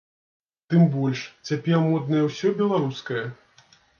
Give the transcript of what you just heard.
Тым больш, цяпер моднае ўсё беларускае?